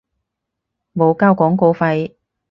冇交廣告費